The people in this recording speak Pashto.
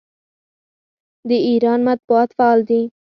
د ایران مطبوعات فعال دي.